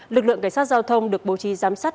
lực lượng cảnh sát giao thông được bố trí giám sát